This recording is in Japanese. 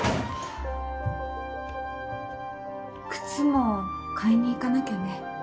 靴も買いに行かなきゃね。